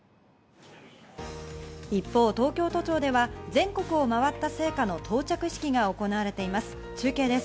一方、東京都庁では全国をまわった聖火の到着式が行われています。